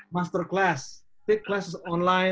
masalah kelas di dalam talian